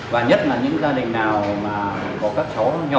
và nhất là những gia đình nào mà có các cháu nhỏ